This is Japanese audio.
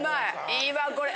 いいわこれ。